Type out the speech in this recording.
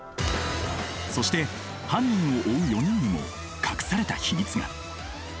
そして犯人を追う４人にも隠された秘密が。